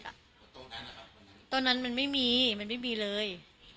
ตรงนั้นนะครับตรงนั้นมันไม่มีมันไม่มีเลย